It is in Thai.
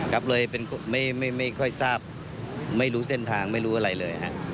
ครับเลยเป็นไม่ค่อยทราบไม่รู้เส้นทางไม่รู้อะไรเลยฮะ